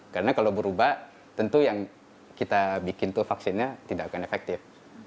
karena kalau berubah tentu yang kita bikin itu vaksinnya tidak akan efektif